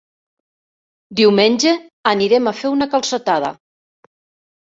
Diumenge anirem a fer una calçotada.